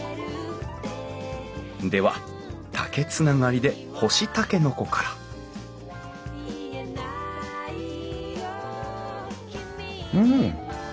では竹つながりで干しタケノコからうん！